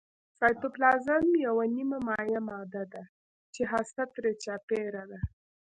سایتوپلازم یوه نیمه مایع ماده ده چې هسته ترې چاپیره ده